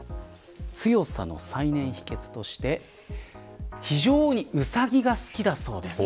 強さの再燃の秘訣として非常にうさぎが好きだそうです。